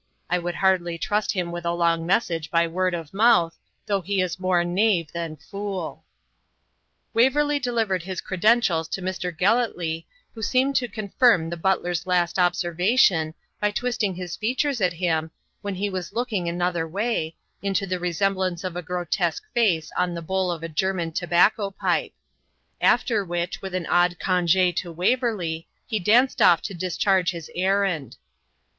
I would hardly trust him with a long message by word of mouth though he is more knave than fool.' Waverley delivered his credentials to Mr. Gellatley, who seemed to confirm the butler's last observation, by twisting his features at him, when he was looking another way, into the resemblance of the grotesque face on the bole of a German tobacco pipe; after which, with an odd conge to Waverley, he danced off to discharge his errand.